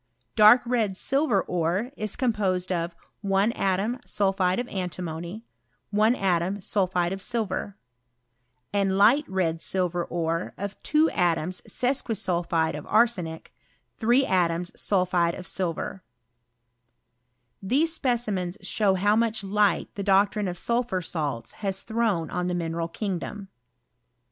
Dark red silver ore is composed of 1 atom sulphide of antimony 1 atom sulphide of silver ; and light red silver ore of ' 2 atoms sesquisulphide of arsenic 3 atoms sulphide of silver, Tlicse specimens show how much light the doc trine of sulphur salts has thrown on the mineral , kingdom.